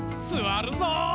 すわるぞう！